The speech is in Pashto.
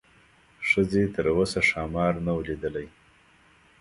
ښځې تر اوسه ښامار نه و لیدلی.